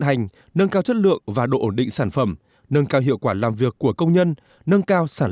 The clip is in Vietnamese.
hành nâng cao chất lượng và độ ổn định sản phẩm nâng cao hiệu quả làm việc của công nhân nâng cao sản